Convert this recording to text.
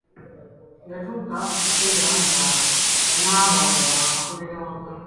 Yatuuka ekiseera n'aba ng'akolera waka.